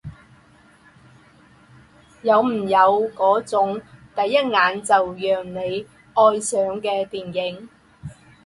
有没有那种第一眼就让人爱上的电影？